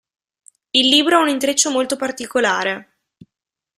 Il libro ha un intreccio molto particolare.